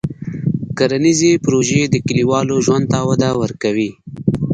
کرنيزې پروژې د کلیوالو ژوند ته وده ورکوي.